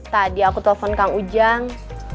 tadi aku telepon kang ujang